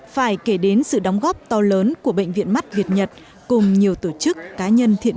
phải kể đến sự đóng góp to lớn của bệnh viện mắt việt nhật cùng nhiều tổ chức cá nhân